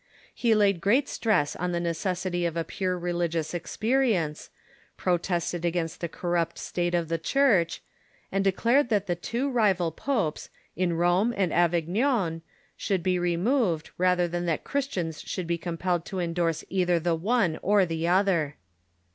He laid great stress on the necessity of a pure religious exj^erience, protested against the corrupt state of the Church, and declared that the two rival popes, in Rome and Avignon, should be removed, rather than that Christians should be com pelled to endorse either the one or the other.